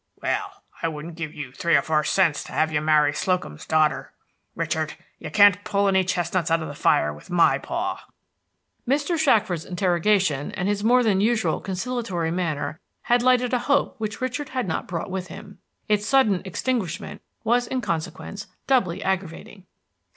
"Well, I wouldn't give three or four cents to have you marry Slocum's daughter. Richard, you can't pull any chestnuts out of the fire with my paw." Mr. Shackford's interrogation and his more than usual conciliatory manner had lighted a hope which Richard had not brought with him. Its sudden extinguishment was in consequence doubly aggravating.